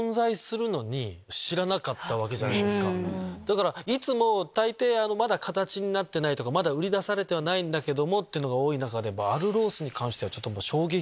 だからいつも大抵まだ形になってないとかまだ売り出されてはないんだけどっていうのが多い中で。